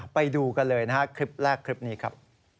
ไปดูกันเลยนะครับคลิปแรกคลิปนี้ครับ